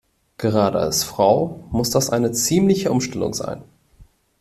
Gerade als Frau muss das eine ziemliche Umstellung sein.